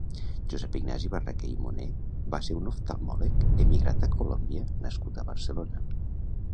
Josep Ignasi Barraquer i Moner va ser un oftalmòleg emigrat a Colòmbia nascut a Barcelona.